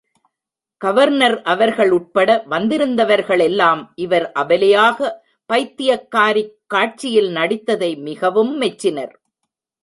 Governor அவர்கள் உட்பட வந்திருந்தவர்களெல்லாம், இவர் அபலையாக, பைத்தியக்காரிக் காட்சியில் நடித்ததை மிகவும் மெச்சினர்.